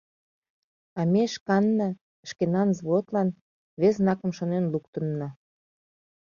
А ме шканна, шкенан взводлан, вес знакым шонен луктынна.